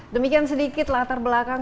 demikian sedikit latar belakang